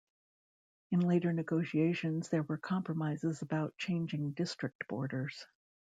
In later negotiations there were compromises about changing district borders.